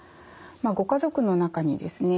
ご家族の中にですね